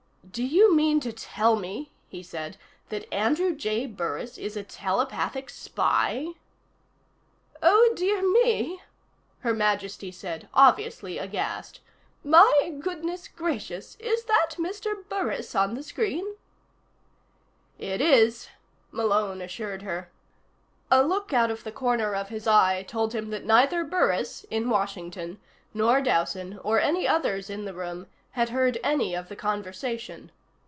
"Do you mean to tell me," he said, "that Andrew J. Burris is a telepathic spy?" "Oh, dear me," Her Majesty said, obviously aghast. "My goodness gracious. Is that Mr. Burris on the screen?" "It is," Malone assured her. A look out of the corner of his eye told him that neither Burris, in Washington, nor Dowson or any others in the room, had heard any of the conversation.